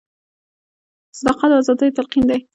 د صداقت او ازادیو تلقین دی.